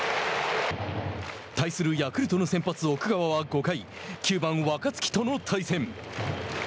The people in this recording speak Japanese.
対するヤクルトの先発奥川は５回、９番若月との対戦。